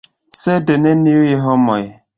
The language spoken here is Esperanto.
Sed neniuj homoj.